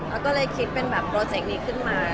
แล้วก็เลยคิดเป็นแบบโปรเจคนี้ขึ้นมา